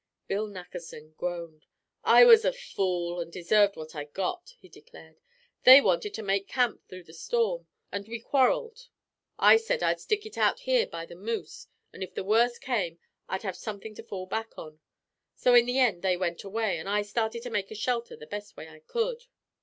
Bill Nackerson groaned. "I was a fool, and deserve what I got," he declared. "They wanted to make camp through the storm, and we quarreled. I said I'd stick it out here by the moose, and if the worst came, I'd have something to fall back on. So in the end they went away, and I started to make a shelter the best way I could."